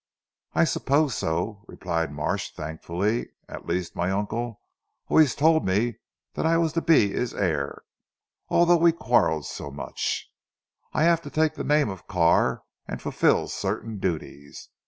"I suppose so," replied Marsh thankfully, "at least my uncle always told me that I was to be his heir, although we quarrelled so much. I have to take the name of Carr, and fulfil certain duties.